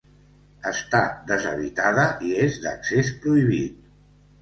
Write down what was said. Està deshabitada i és d'accés prohibit.